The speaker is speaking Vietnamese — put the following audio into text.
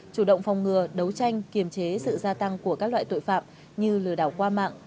chủ động phòng ngừa đấu tranh kiềm chế sự gia tăng của các loại tội phạm như lừa đảo qua mạng